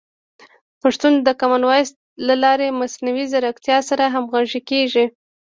پښتو د کامن وایس له لارې د مصنوعي ځیرکتیا سره همغږي کیږي.